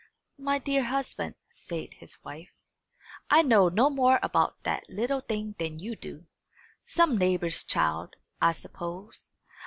"My dear husband," said his wife, "I know no more about the little thing than you do. Some neighbour's child, I suppose.